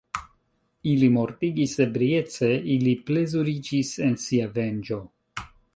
Ili mortigis ebriece, ili plezuriĝis en sia venĝo.